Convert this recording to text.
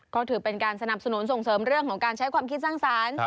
ก็ถือเป็นการสนับสนุนส่งเสริมเรื่องของการใช้ความคิดสร้างสรรค์